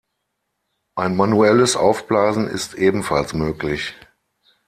Ein manuelles Aufblasen ist ebenfalls möglich.